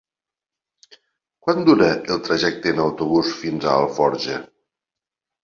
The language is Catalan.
Quant dura el trajecte en autobús fins a Alforja?